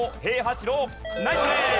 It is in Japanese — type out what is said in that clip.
ナイスプレー！